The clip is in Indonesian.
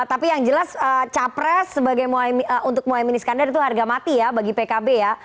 tapi yang jelas capres untuk mohaimin iskandar itu harga mati ya bagi pkb ya